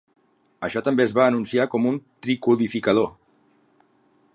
Això també es va anunciar com un "tricodificador".